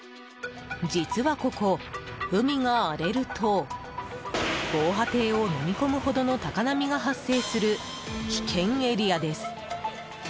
実はここ、海が荒れると防波堤をのみ込むほどの高波が発生する、危険エリアです。